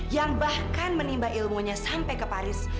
yang bahkan menimba ilmunya sampai ke paris